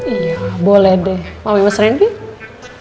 iya boleh deh mau mas randy